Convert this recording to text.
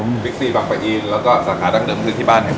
มีคยายสาขาเพิ่มเติมไหม